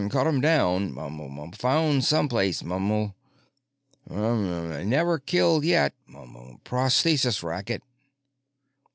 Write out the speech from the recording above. "——cut 'em down mumble found someplace mumble." "——mumble never killed yet mumble prosthesis racket."